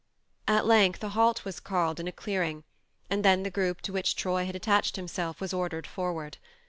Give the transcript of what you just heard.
At length a halt was called in a clearing, and then the group to which Troy had attached himself was ordered forward.